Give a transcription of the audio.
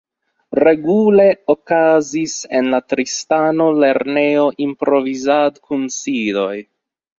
Regule okazis en la Tristano-Lernejo improvizad-kunsidoj.